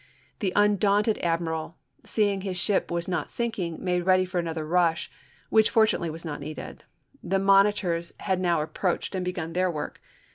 The undaunted admiral, seeing his ship was not sinking, made ready for another rush, which fortunately was not needed. The monitors had now approached, and begun their work.